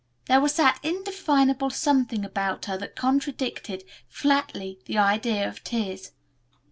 There was that indefinable something about her that contradicted, flatly, the idea of tears.